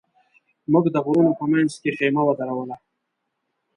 موږ د غرونو په منځ کې خېمه ودروله.